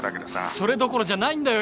それどころじゃないんだよ